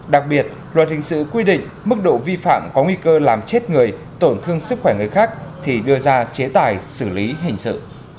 đặc biệt luật hình sự quy định mức độ vi phạm có nguy cơ làm chết người tổn thương sức khỏe người khác thì đưa ra chế tài xử lý hình sự